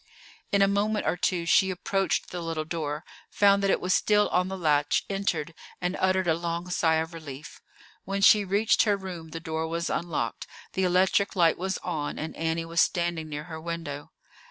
In a moment or two she approached the little door, found that it was still on the latch, entered, and uttered a long sigh of relief. When she reached her room the door was unlocked, the electric light was on, and Annie was standing near her window.